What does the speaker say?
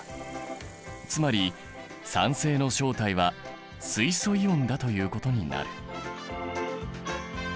つまり酸性の正体は水素イオンだということになる。